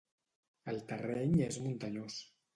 El terreny és muntanyós.